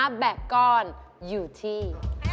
ถ้าแบบก้อนอยู่ที่